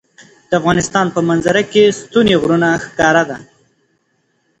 د افغانستان په منظره کې ستوني غرونه ښکاره ده.